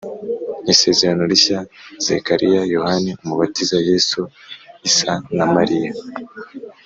isezerano rishya, zekariya, yohana umubatiza, yesu (ʽīsa) na mariya